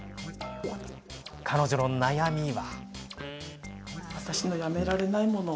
彼女の悩みは。